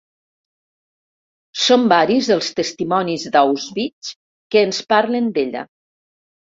Són varis els testimonis d'Auschwitz que ens parlen d'ella.